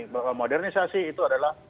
bahwa modernisasi itu adalah